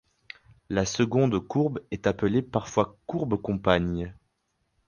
La seconde courbe est appelée parfois courbe compagne.